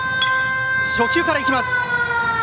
初球からいきました。